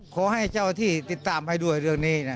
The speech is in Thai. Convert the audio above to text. ขอให้เจ้าที่ติดตามให้ด้วยเรื่องนี้นะ